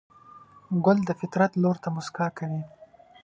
ګل د فطرت لور ته موسکا کوي.